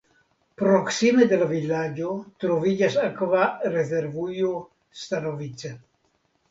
Proksime de la vilaĝo troviĝas akva rezervujo Stanovice.